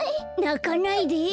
なかないで。